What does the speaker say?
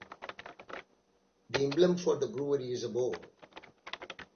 The emblem for the brewery is a boar.